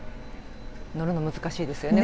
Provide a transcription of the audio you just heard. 乗るの難しいですよね。